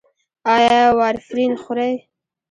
ایا وارفرین خورئ؟